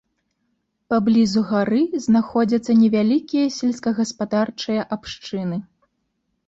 Паблізу гары знаходзяцца невялікія сельскагаспадарчыя абшчыны.